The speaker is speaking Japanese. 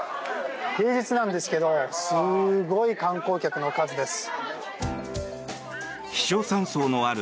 平日なんですけどすごい観光客の数です。